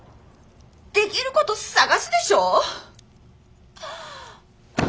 できること探すでしょ？